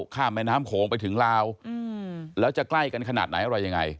ข้ามแม่น้ำโขงไปถึงลาวแล้วจะใกล้กันขนาดไหนอะไรยังไง